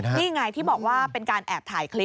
นี่ไงที่บอกว่าเป็นการแอบถ่ายคลิป